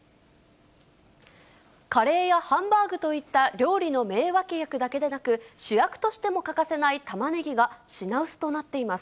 カレーやハンバーグといった料理の名脇役だけでなく、主役としても欠かせないタマネギが品薄となっています。